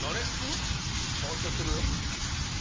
触っちゃってるよ。